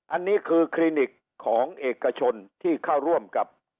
อันนี้คือคลินิกของเอกชนที่เข้าร่วมกับ